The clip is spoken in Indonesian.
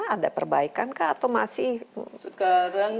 ada perbaikan kah atau masih masalah yang